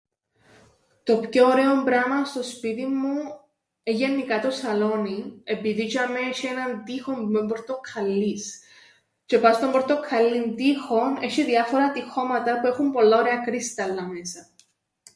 Το πιο ωραίον πράμαν στο σπίτιν μου εν' γεννικά το σαλόνιν, επειδή τζ̆ειαμαί έσ̆ει έναν τοίχον που εν' πορτοκαλλής τζ̆αι πά' στον πορτοκαλλήν τοίχον έσ̆ει διάφορα τοιχώματα, που έχουν πολλά ωραία κρύσταλλα μέσα.